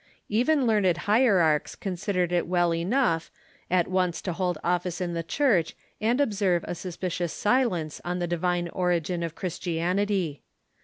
Even learned hierarchs considered it well enough at once to hold office in the Church and observe a susj^icious silence on the divine ori gin of Christianity.